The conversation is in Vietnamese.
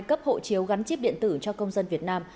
cấp hộ chiếu gắn chip điện tử cho công dân việt nam